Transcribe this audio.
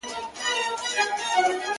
راسه دروې ښيم.